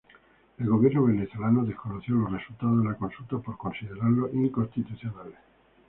El gobierno venezolano desconoció los resultados de la consulta por considerarlos inconstitucionales.